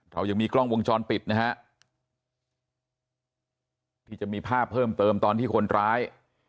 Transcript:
เรายังมีกล้องวงจรปิดนะฮะที่จะมีภาพเพิ่มเติมตอนที่คนร้าย